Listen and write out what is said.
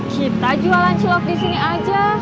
kita jualan celok di sini aja